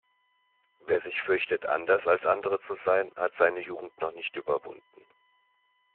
Wer sich fürchtet, anders als andere zu sein, hat seine Jugend noch nicht überwunden.